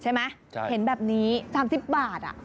ใช่ไหมใช่เห็นแบบนี้สามสิบบาทอ่ะครับ